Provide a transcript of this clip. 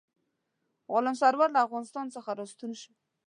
غلام سرور له افغانستان څخه را ستون شو.